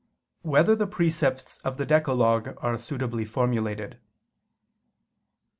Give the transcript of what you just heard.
7] Whether the Precepts of the Decalogue Are Suitably Formulated?